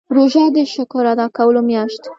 روژه د شکر ادا کولو میاشت ده.